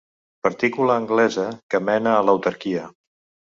Partícula anglesa que mena a l'autarquia.